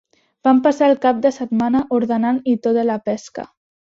Vam passar el cap de setmana ordenant i tota la pesca.